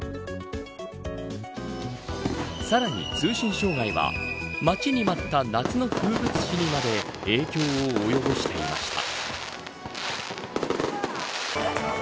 さらに、通信障害は待ちに待った夏の風物詩にまで影響を及ぼしていました。